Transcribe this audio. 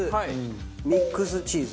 ミックスチーズ。